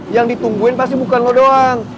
yang ditungguin pasti bukan lo doang